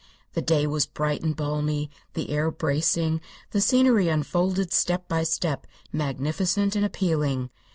The day was bright and balmy, the air bracing, the scenery unfolded step by step magnificent and appealing.